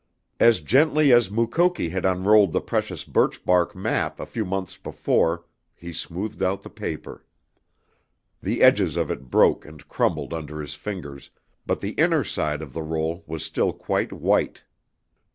As gently as Mukoki had unrolled the precious birchbark map a few months before he smoothed out the paper. The edges of it broke and crumbled under his fingers, but the inner side of the roll was still quite white.